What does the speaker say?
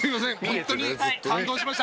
ホントに感動しました。